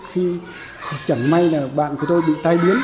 khi chẳng may là bạn của tôi bị tai biến